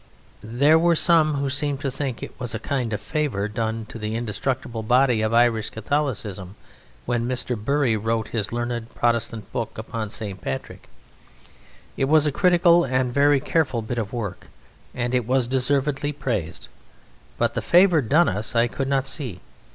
There were some who seemed to think it a kind of favour done to the indestructible body of Irish Catholicism when Mr. Bury wrote his learned Protestant book upon St. Patrick. It was a critical and very careful bit of work, and was deservedly praised; but the favour done us I could not see!